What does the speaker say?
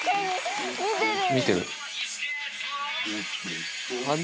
見てる。